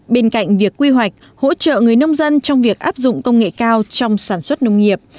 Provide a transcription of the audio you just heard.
bên cạnh việc quy hoạch hỗ trợ người nông dân trong việc áp dụng công nghệ cao trong sản xuất nông nghiệp